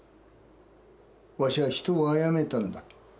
わしは人を殺めたんだ。